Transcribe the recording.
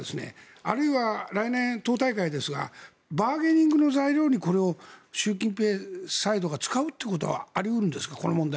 あるいは来年党大会ですがバーゲニングの材料に習近平サイドが使うということはあり得るんですか？